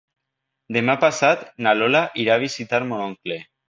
Demà passat na Lola irà a visitar mon oncle.